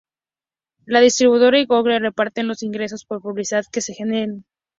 La distribuidora y Google reparten los ingresos por publicidad que se generen.